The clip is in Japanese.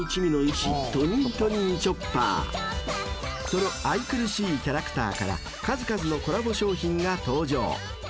［その愛くるしいキャラクターから数々のコラボ商品が登場］